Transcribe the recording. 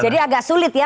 jadi agak sulit ya